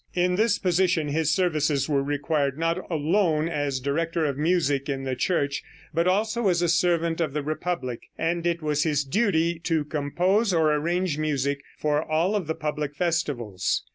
In this position his services were required not alone as director of music in the church, but also as a servant of the republic, and it was his duty to compose or arrange music for all of the public festivals.